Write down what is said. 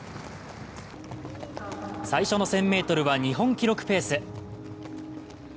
最初の１０００ｍは日本記録ペース。